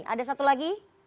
ada satu lagi